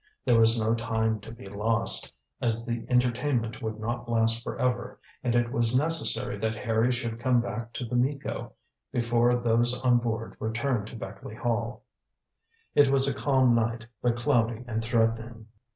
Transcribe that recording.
There was no time to be lost, as the entertainment would not last for ever, and it was necessary that Harry should come back to The Miko before those on board returned to Beckleigh Hall. It was a calm night, but cloudy and threatening.